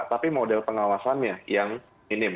tapi model pengawasannya yang minim